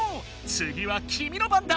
つぎはきみの番だ！